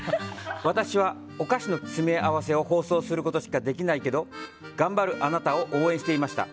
私はお菓子の詰め合わせを包装することしかできないけど頑張るあなたを応援していました。